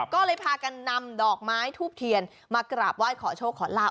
ก็เลยพากันนำดอกไม้ทูบเทียนมากราบไหว้ขอโชคขอลาบ